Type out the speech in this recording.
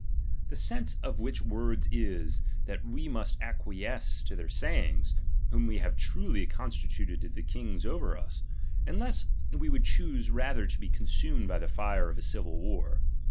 The sense of which words is, that we must ac quiesce to their sayings, whom we have truly con stituted to be kings over us, unless we would choose rather to be consumed by the fire of a civil war.